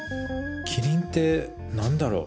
「キリン」って何だろう？